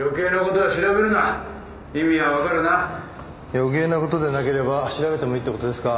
余計な事でなければ調べてもいいって事ですか？